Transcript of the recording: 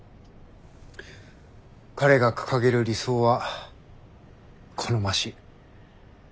彼が掲げる理想は好ましい。